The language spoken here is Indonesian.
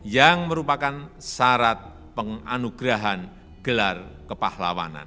yang merupakan syarat penganugerahan gelar kepahlawanan